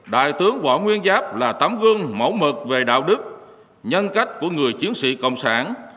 đại tướng võ nguyên giáp là tấm gương mẫu mực về đạo đức nhân cách của người chiến sĩ cộng sản